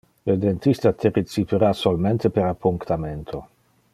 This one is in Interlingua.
Le dentista te recipera solmente per appunctamento.